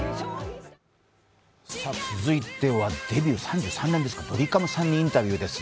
続いてデビュー３３年ですか、ドリカムさんにインタビューです。